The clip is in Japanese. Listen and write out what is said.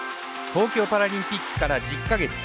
東京パラリンピックから１０か月。